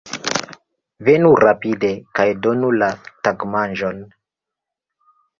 Venu rapide kaj donu la tagmanĝon!